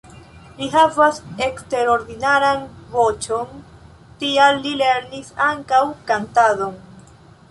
Li havas eksterordinaran voĉon, tial li lernis ankaŭ kantadon.